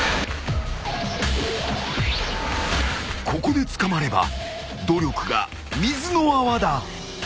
［ここで捕まれば努力が水の泡だ］